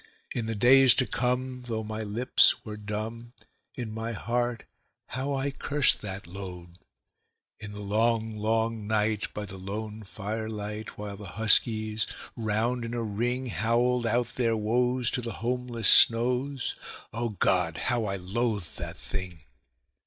In the days to come, though my lips were dumb, in my heart how I cursed that load. In the long, long night, by the lone firelight, while the huskies, round in a ring, Howled out their woes to the homeless snows O God! how I loathed the thing.